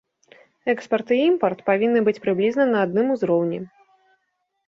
Экспарт і імпарт павінны быць прыблізна на адным узроўні.